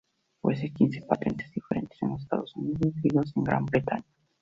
Posee quince patentes diferentes en los Estados Unidos y dos en Gran Bretaña.